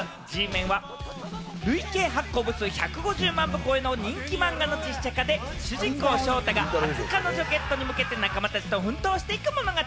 映画『Ｇメン』は、累計発行部数１５０万部超えの人気漫画の実写化で、主人公・勝太が初彼女ゲットに向けて仲間たちと奮闘していく物語。